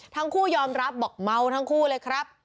ทั้งคู่ยอมรับบอกเมาทั้งคู่เลยครับ